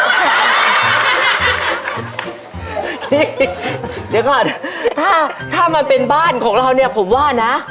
เดี๋ยวก่อนถ้ามันเป็นบ้านของเราเนี่ยผมว่านะ